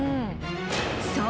［そう。